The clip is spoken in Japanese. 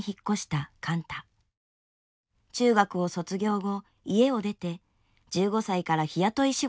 中学を卒業後家を出て１５歳から日雇い仕事を転々とします。